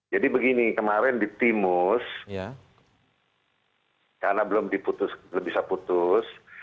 jadi begini kemarin di timus karena belum bisa putus